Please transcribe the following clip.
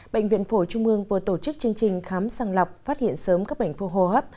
bệnh viện phổ trung mương vừa tổ chức chương trình khám sàng lọc phát hiện sớm các bệnh vô hồ hấp